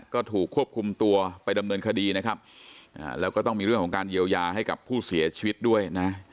ก็ถูกควบคุมตัวไปดำเนินคดีนะครับแล้วก็ต้องมีเรื่องของการเยียวยาให้กับผู้เสียชีวิตด้วยนะ